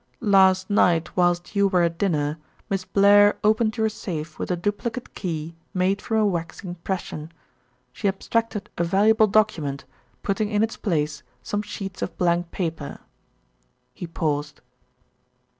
"Last night whilst you were at dinner Miss Blair opened your safe with a duplicate key made from a wax impression. She abstracted a valuable document, putting in its place some sheets of blank paper." He paused.